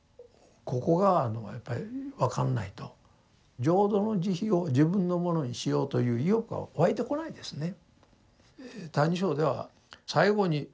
ここがあのやっぱり分かんないと浄土の慈悲を自分のものにしようという意欲はわいてこないですね。